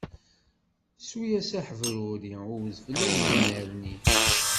Ssu-yas aḥebruri i udfel ad yennerni.